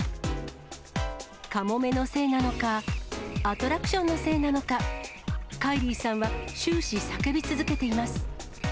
カモメのせいなのか、アトラクションのせいなのか、カイリーさんは終始叫び続けています。